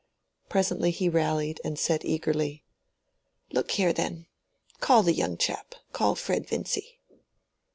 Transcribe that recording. Presently he rallied and said eagerly— "Look here, then. Call the young chap. Call Fred Vincy."